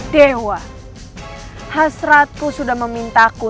dan rasakan kekuatan itu